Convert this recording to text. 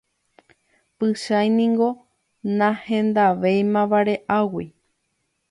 Pychãi niko nahendavéima vare'águi.